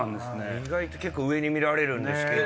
意外と上に見られるんですけど。